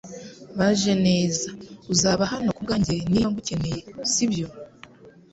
Bajeneza, uzaba hano kubwanjye niba ngukeneye, sibyo?